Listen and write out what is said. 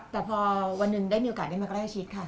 แต่พอวันหนึ่งได้มีโอกาสได้มาใกล้ชิดค่ะ